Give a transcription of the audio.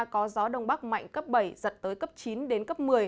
có gió đông bắc mạnh cấp bảy giật tới cấp chín đến cấp một mươi